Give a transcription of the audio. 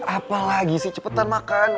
apalagi sih cepetan makan